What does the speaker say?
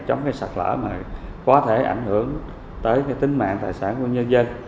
chống cái sạt lở mà có thể ảnh hưởng tới cái tính mạng tài sản của nhân dân